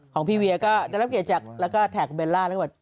ของพี่เวียร์ก็รับเกียจจากแล้วก็แท็คเมร์ล่าแล้วก็ว่า